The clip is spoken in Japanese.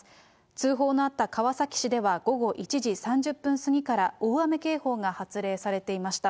通報のあった川崎市では、午後１時３０分過ぎから大雨警報が発令されていました。